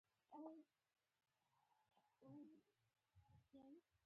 د عملیات وروسته د اناناس اوبه وڅښئ